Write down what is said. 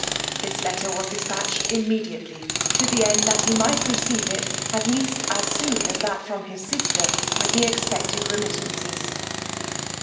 This letter was dispatched immediately, to the end he might receive it, at least, as soon as that from his sister with the expected remittances.